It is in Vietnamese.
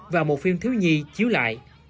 và một phim thứ hai chiếu lại